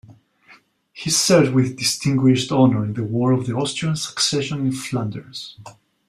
He served with distinguished honor in the War of the Austrian Succession in Flanders.